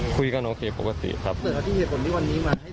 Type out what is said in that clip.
คือไม่ปลอดภัยมีแง่หน่อย